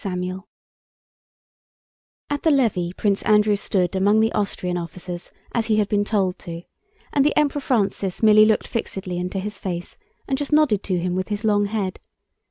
CHAPTER XII At the levee Prince Andrew stood among the Austrian officers as he had been told to, and the Emperor Francis merely looked fixedly into his face and just nodded to him with his long head.